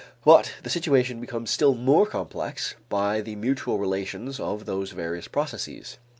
But the situation becomes still more complex by the mutual relations of those various processes.